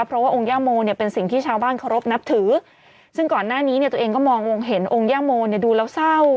ลบนับถือซึ่งก่อนหน้านี้เนี้ยตัวเองก็มององค์เห็นองค์ย่าโมเนี้ยดูแล้วเศร้า